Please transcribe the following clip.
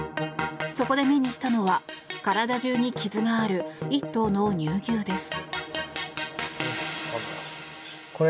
そこで目にしたのは体中に傷がある１頭の乳牛です。